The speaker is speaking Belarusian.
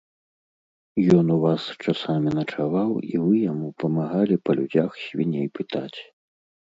Ён у вас часамі начаваў і вы яму памагалі па людзях свіней пытаць.